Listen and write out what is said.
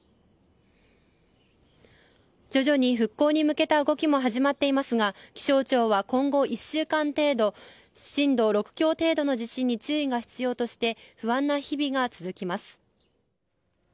徐々に復興に向けた動きも始まっていますが、気象庁は今後１週間程度、震度６強程度の地震に注意が必要として、不安な日々が続きます。